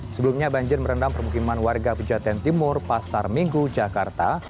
sebelumnya banjir merendam permukiman warga pejaten timur pasar minggu jakarta